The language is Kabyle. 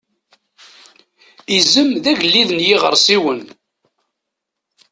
Izem d agellid n yiɣersiwen.